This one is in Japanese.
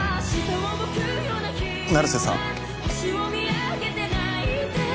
成瀬さん